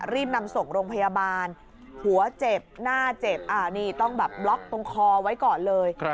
รีบนำส่งโรงพยาบาลหัวเจ็บหน้าเจ็บนี่ต้องแบบบล็อกตรงคอไว้ก่อนเลย